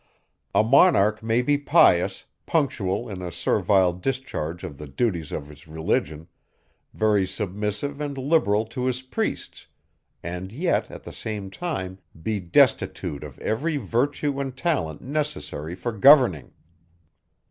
A monarch may be pious, punctual in a servile discharge of the duties of his religion, very submissive and liberal to his priests, and yet at the same time be destitute of every virtue and talent necessary for governing.